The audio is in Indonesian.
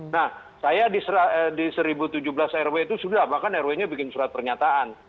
nah saya di seribu tujuh belas rw itu sudah bahkan rw nya bikin surat pernyataan